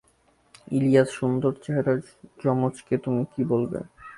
ইলিয়াস সুন্দর চেহারার যমজকে তুমি কী বলবে?